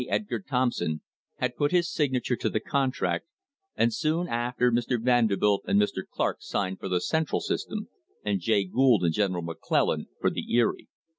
Edgar Thompson, had put his signature to the contract, and soon after Mr. Vanderbilt and Mr. Clark signed for the Central system, and Jay Gould and General McClellan for the Erie.